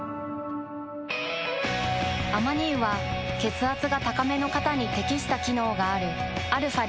アマニ油は血圧が高めの方に適した機能があるαー